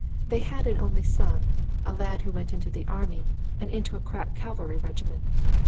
They had an only son, a lad who went into the Army, and into a crack cavalry regiment.